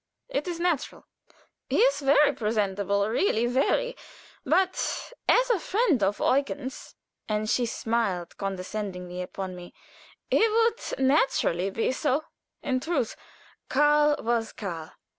It is natural." "He is very presentable, really very. But as a friend of Eugen's," and she smiled condescendingly upon me, "he would naturally be so." In truth, Karl was Karl.